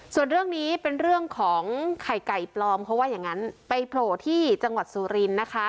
ส่วนเรื่องนี้เป็นเรื่องของไข่ไก่ปลอมเขาว่าอย่างนั้นไปโผล่ที่จังหวัดสุรินทร์นะคะ